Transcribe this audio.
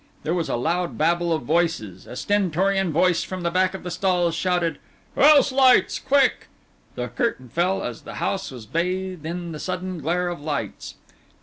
There was a loud babble of voices, a stentorian voice from the back of the stalls shouted, "House lights quick!" The curtain fell as the house was bathed in the sudden glare of lights.